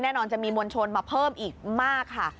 แน่นอนจะมีมวลชนมาเพิ่มอีกมากค่ะ